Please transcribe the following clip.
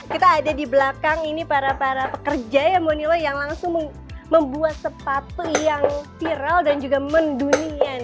kita ada di belakang ini para pekerja yang langsung membuat sepatu yang viral dan juga mendunia